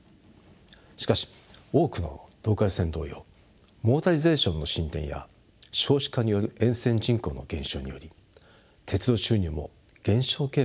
しかし多くのローカル線同様モータリゼーションの進展や少子化による沿線人口の減少により鉄道収入も減少傾向にあります。